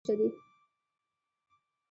نارسمي یا سیمه ییزې علامې هم شته دي.